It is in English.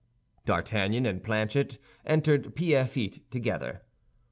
D'Artagnan and Planchet entered Pierrefitte together.